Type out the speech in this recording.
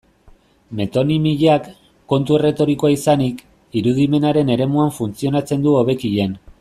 Metonimiak, kontu erretorikoa izanik, irudimenaren eremuan funtzionatzen du hobekien.